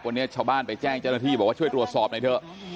วันนี้ชาวบ้านไปแจ้งเจ้าหน้าที่บอกว่าช่วยตรวจสอบหน่อยเถอะ